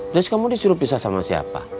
terus kamu disuruh pisah sama siapa